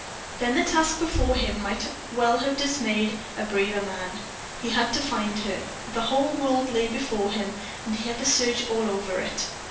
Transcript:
Then the task before him might well have dismayed a braver man. He had to find her. The whole world lay before him, and he had to search all over it.